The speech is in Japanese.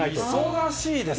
忙しいですね。